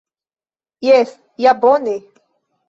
Jes, ja bone!